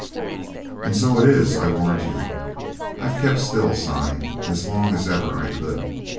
"And so it is, I warrant you. I've kept still, Si, as long as ever I could.